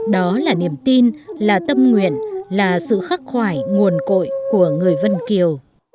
đó là niềm tin là tâm nguyện là sự khắc khoải nguồn cội của người vân kiều